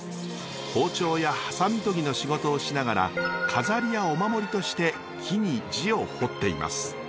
包丁やハサミ研ぎの仕事をしながら飾りやお守りとして木に字を彫っています。